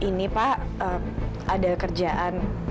ini pak ada kerjaan